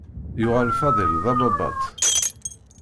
Yuɣal Faḍil d ababat.